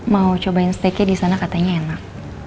mau cobain steaknya di sana katanya enak